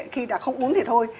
khi đã không uống thì thôi